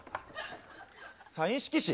サイン色紙？